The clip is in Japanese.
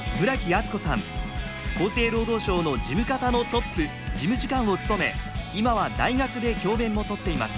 厚生労働省の事務方のトップ事務次官を務め今は大学で教べんもとっています。